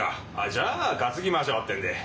じゃあ担ぎましょうってんで。